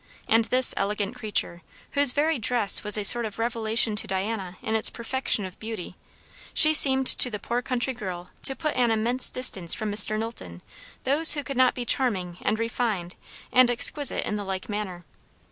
And this elegant creature, whose very dress was a sort of revelation to Diana in its perfection of beauty, she seemed to the poor country girl to put at an immense distance from Mr. Knowlton those who could not be charming and refined and exquisite in the like manner.